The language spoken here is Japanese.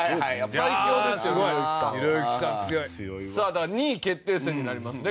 だから２位決定戦になりますね